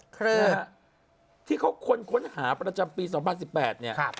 นะฮะที่เขาคนค้นหาประจำปี๒๐๑๘เนี่ย